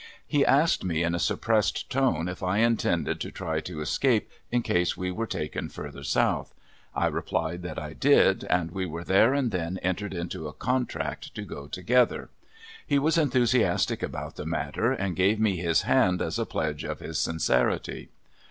He asked me in a suppressed tone if I intended to try to escape in case we were taken further south. I replied that I did, and we there and then entered into a contract to go together. He was enthusiastic about the matter and gave me his hand as a pledge of his sincerity.